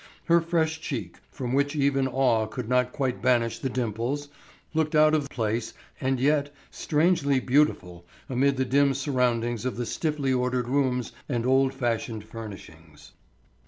Her fresh cheek, from which even awe could not quite banish the dimples, looked out of place and yet strangely beautiful amid the dim surroundings of the stiffly ordered rooms and old fashioned furnishings.